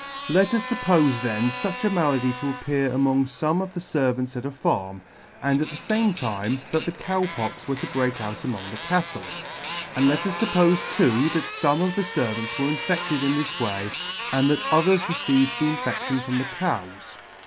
Let us fuppofe then fuch a malady to appear among fome of the fervants at a farm, and at the fame time that the Cow Pox were to break out among the cattle j and let us fuppofe too that fome of the fervants were infedted in this way, and that others re ceived the infedtion from the cows.